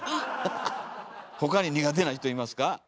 他に苦手な人いますか？